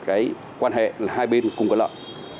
cái quan hệ là hai bên cùng có lợi